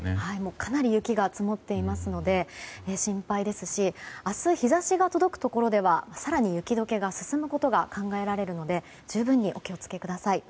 かなり雪が積もっていますので心配ですし明日、日差しが届くところでは更に雪解けが進むことが考えられるので十分にお気を付けください。